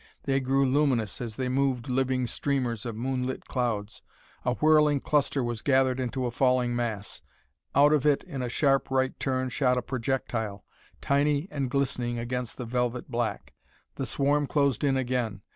They grew luminous as they moved living streamers of moonlit clouds.... A whirling cluster was gathered into a falling mass. Out of it in a sharp right turn shot a projectile, tiny and glistening against the velvet black. The swarm closed in again....